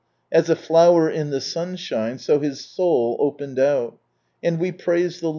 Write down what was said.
As a flower in the sunshine, so his soul opened out ; and we praised the l.